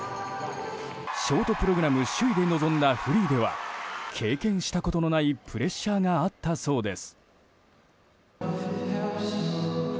ショートプログラム首位で臨んだフリーでは経験したことのないプレッシャーがあったそうです。